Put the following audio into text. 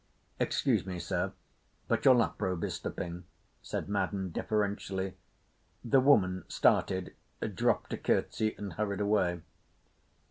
"Excuse me, Sir, but your lap robe is slipping," said Madden deferentially. The woman started, dropped a curtsey, and hurried away.